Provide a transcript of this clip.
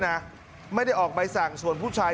สวัสดีครับคุณผู้ชาย